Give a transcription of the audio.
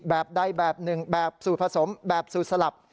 แบบใดแบบหนึ่งแบบสูตรผสมแบบสูตรสลับ